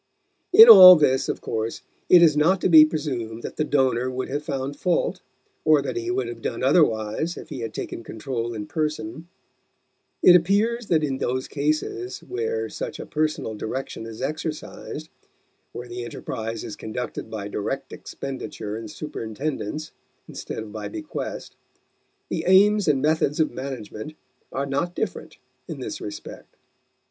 In all this, of course, it is not to be presumed that the donor would have found fault, or that he would have done otherwise if he had taken control in person; it appears that in those cases where such a personal direction is exercised where the enterprise is conducted by direct expenditure and superintendence instead of by bequest the aims and methods of management are not different in this respect.